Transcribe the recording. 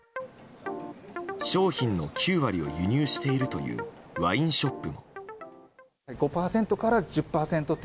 商品の９割を輸入しているというワインショップも。